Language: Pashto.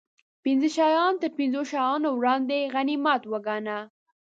پنځه شیان تر پنځو شیانو وړاندې غنیمت و ګڼه